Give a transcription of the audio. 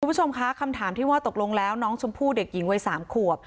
คุณผู้ชมคะคำถามที่ว่าตกลงแล้วน้องชมพู่เด็กหญิงวัย๓ขวบ